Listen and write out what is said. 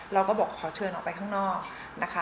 เราก็บอกขอเชิญออกไปข้างนอกนะคะ